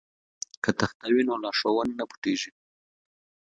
که تخته وي نو لارښوونه نه پټیږي.